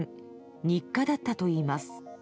日課だったといいます。